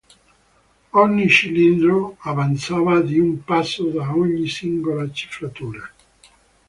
Ogni cilindro avanzava di un passo ad ogni singola cifratura.